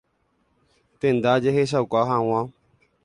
Tenda jehechauka hag̃ua.